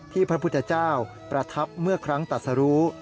พระพุทธเจ้าประทับเมื่อครั้งตัดสรุ